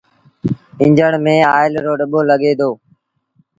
ايٚݩجڻ ميݩ آئيل رو ڏٻو لڳي دو۔